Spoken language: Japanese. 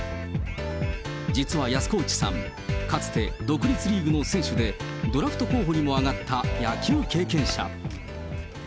実は安河内さん、かつて独立リーグの選手で、ドラフト候補にも挙がった野球経験者。